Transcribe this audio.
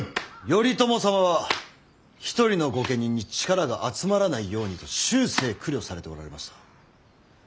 頼朝様は一人の御家人に力が集まらないようにと終生苦慮されておられました。